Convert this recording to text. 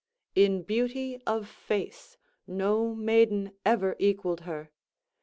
In beauty of face no maiden ever equalled her.